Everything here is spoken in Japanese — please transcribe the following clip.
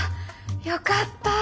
よかった。